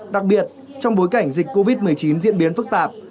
đặc biệt trong bối cảnh dịch covid một mươi chín diễn biến phức tạp